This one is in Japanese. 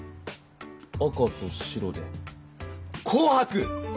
赤と白でこう白？